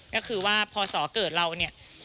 ก็คือว่าพอสอเกิดเราเนี่ย